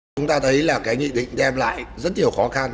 chúng ta thấy là cái nghị định đem lại rất nhiều khó khăn